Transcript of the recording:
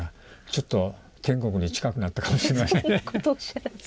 ちょっと天国に近くなったかもしれません。